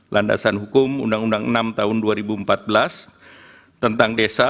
landasan hukum undang undang enam tahun dua ribu empat belas tentang desa